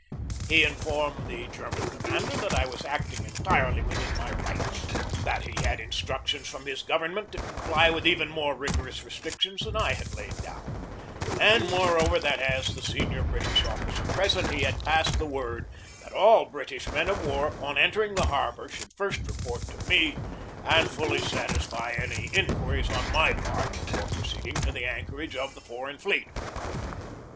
He in formed the German commander that I was acting en tirely within my rights; that he had instructions from his government to comply with even more rig orous restrictions than I had laid down; and, more over, that as the senior British officer present he had passed the word that all British men of war upon entering the harbor should first report to me and fully satisfy any inquiries on my part before proceed ing to the anchorage of the foreign fleet.